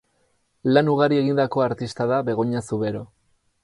Lan ugari egindako artista da Begoña Zubero.